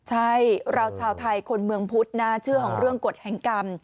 ใช่เราชาวไทยคนเมืองพุทธน่าเชื่อของเรื่องกฎแห่งกรรม